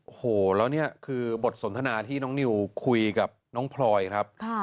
โอ้โหแล้วนี่คือบทสนทนาที่น้องนิวคุยกับน้องพลอยครับ